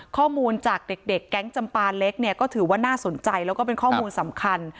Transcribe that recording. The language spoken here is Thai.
ข้อมูลจากเด็กแก๊งจำปาเล็กเนี่ยก็ถือว่าน่าสนใจแล้วก็เป็นข้อมูลสำคัญ